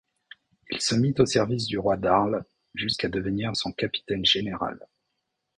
Il se mit au service du roi d'Arles jusqu'à devenir son capitaine général.